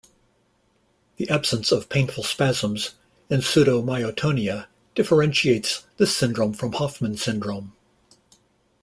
The absence of painful spasms and pseudomyotonia differentiates this syndrome from Hoffmann syndrome.